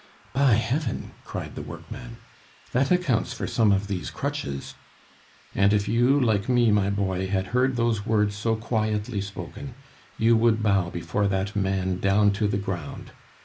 "By Heaven!" cried the workman, "that accounts for some of these crutches!" "And if you, like me, my boy, had heard those words so quietly spoken, you would bow before that man down to the ground!